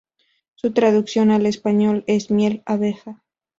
Su traducción al español es miel, abeja.